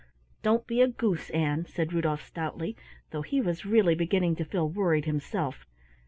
"Don't be a goose, Ann," said Rudolf stoutly, though he was really beginning to feel worried himself.